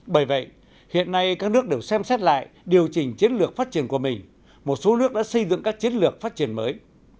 bởi vậy hiện nay các nước đều xem xét lại điều chỉnh chiến lược phát triển của mình một số nước đã xây dựng các chiến lược phát triển mới